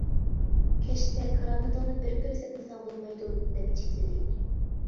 كەچتە كارامىتىڭنى بىر كۆرسەتمىسەڭ بولمايدۇ، دەپ جېكىلىدى.